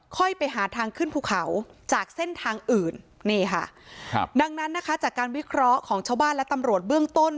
ไปหาทางขึ้นภูเขาจากเส้นทางอื่นนี่ค่ะครับดังนั้นนะคะจากการวิเคราะห์ของชาวบ้านและตำรวจเบื้องต้น